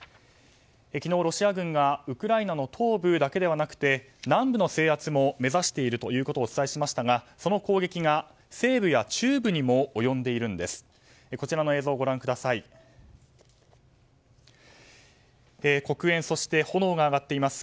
昨日、ロシア軍がウクライナの東部だけではなくて南部の制圧も目指していることをお伝えしましたがその攻撃が西部や中部にも及んでいるんです。